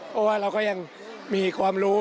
เพราะว่าเราก็ยังมีความรู้